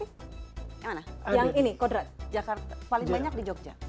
yang mana yang ini kodrat jakarta paling banyak di jogja